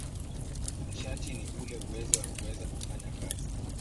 Nishati ni ule uwezo wa kuweza kufanya kazi.